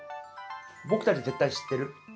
僕たち絶対知ってる野菜？